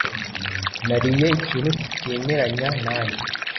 Nariye ikintu kitemeranya nanjye.